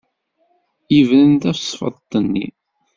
Tebren tasfeḍt-nni.